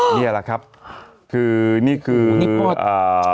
นี่แหละครับคือนี่คืออ่า